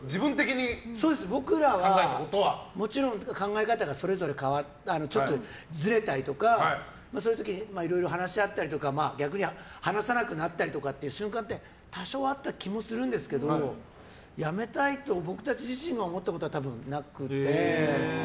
僕らはもちろん考え方がそれぞれずれたりとかそういう時にいろいろ話し合ったりとか逆に話さなくなったりとかっていう瞬間は多少はあった気もするんですけどやめたいと僕たち自身が思ったことはなくて。